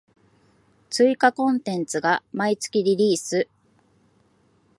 追加コンテンツが毎月リリース